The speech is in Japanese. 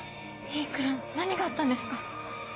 井伊君何があったんですか？